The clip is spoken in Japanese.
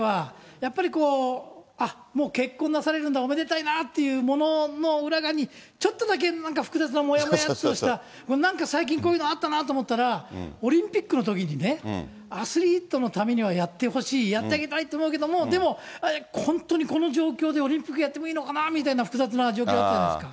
やっぱりこう、あっ、もう結婚なされるんだ、おめでたいなというものの裏側に、ちょっとだけ、なんか複雑な、もやもやっとした、なんか最近こういうのあったなと思ったら、オリンピックのときにね、アスリートのためにはやってほしい、やってあげたいと思うけど、でも、本当にこの状況でオリンピックやってもいいのかなみたいな複雑な状況あったじゃないですか。